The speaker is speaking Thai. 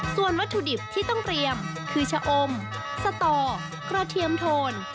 ส่วนวัตถุดิบที่ต้องเตรียมคือชะอมสตอกระเทียมโทน